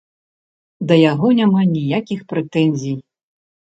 Да яго няма ніякіх прэтэнзій.